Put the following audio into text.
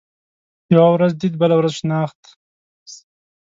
يوه ورځ ديد ، بله ورځ شناخت.